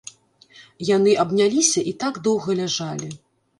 Яны абняліся і так доўга ляжалі.